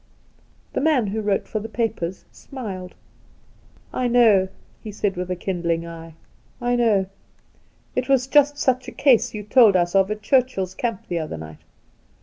The man who wrote for the papers smiled. ' I know,' he said with kindling eye —' I know. The Outspan ii It was just such a case you told us of at Churchill's Camp the other night.